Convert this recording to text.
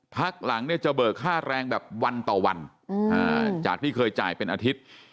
พักหลังเนี่ยจะเบิกค่าแรงแบบวันต่อวันจากที่เคยจ่ายเป็นอาทิตย์